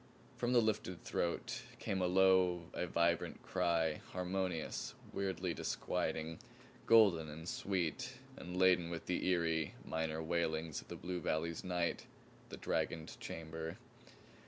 From the lifted throat came a low, a vibrant cry; harmonious, weirdly disquieting, golden and sweet and laden with the eery, minor wailings of the blue valley's night, the dragoned chamber.